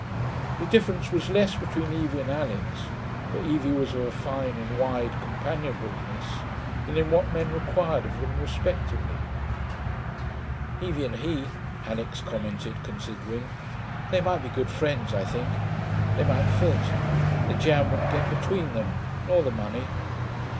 The difference was less between Evie and Alix (for Evie was of a fine and wide companionableness) than in what men required of them respectively. 'Evie and he,' Alix commented, considering them. 'They might be good friends, I think. They might fit. The jam wouldn't get between them nor the money....